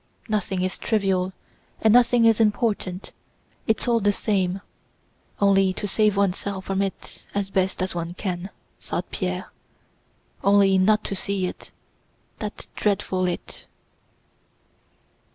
"Nothing is trivial, and nothing is important, it's all the same—only to save oneself from it as best one can," thought Pierre. "Only not to see it, that dreadful it!"